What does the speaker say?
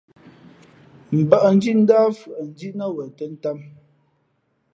Mbᾱʼndhǐ ndǎh fʉαʼndhǐ nά wen tᾱ tām.